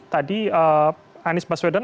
tadi anies baswedan